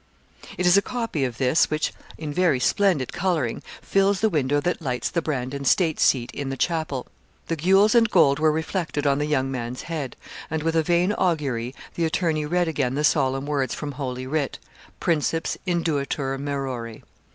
It is a copy of this, which, in very splendid colouring, fills the window that lights the Brandon state seat in the chapel. The gules and gold were reflected on the young man's head, and with a vain augury, the attorney read again the solemn words from Holy Writ, _'Princeps induetur maerore.'